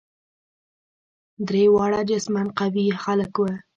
درې واړه جسما قوي خلک وه.